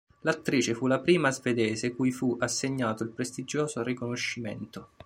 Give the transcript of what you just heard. L'attrice fu la prima svedese cui fu assegnato il prestigioso riconoscimento.